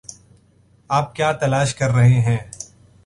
آپ کیا تلاش کر رہے ہیں؟